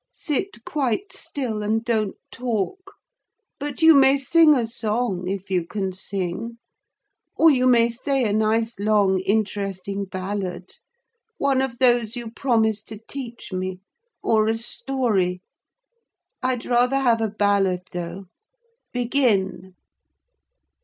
Sit quite still and don't talk: but you may sing a song, if you can sing; or you may say a nice long interesting ballad—one of those you promised to teach me; or a story. I'd rather have a ballad, though: begin."